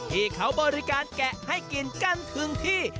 ที่เขาบริการแกะให้กินกันถึงที่